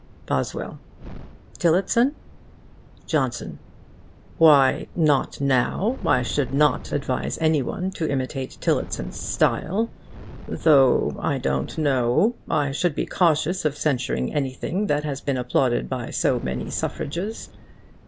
BOSWELL: Tillotson? JOHNSON: Why, not now. I should not advise any one to imitate Tillotson's style; though I don't know; I should be cautious of censuring anything that has been applauded by so many suffrages.